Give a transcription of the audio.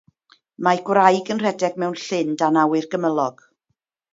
Mae gwraig yn rhedeg mewn llyn dan awyr gymylog.